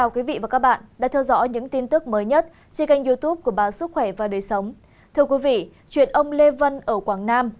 các bạn hãy đăng ký kênh để ủng hộ kênh của chúng mình nhé